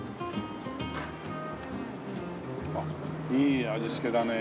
あっいい味付けだね。